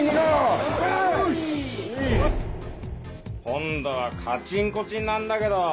今度はカチンコチンなんだけど！